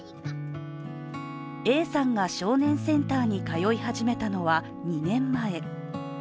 Ａさんが少年センターに通い始めたのは２年前。